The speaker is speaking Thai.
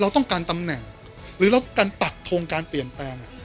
เราต้องการตำแหน่งหรือเราการปักทงการเปลี่ยนแปลง